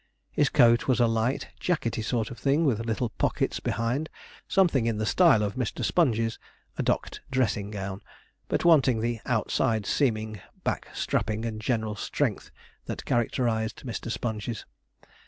His coat was a light, jackety sort of thing, with little pockets behind, something in the style of Mr. Sponge's (a docked dressing gown), but wanting the outside seaming, back strapping, and general strength that characterized Mr. Sponge's.